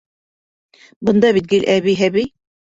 Бында бит гел әбей-һәбей.